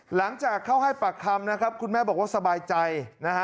หลังจากเข้าให้ปากคำนะครับคุณแม่บอกว่าสบายใจนะฮะ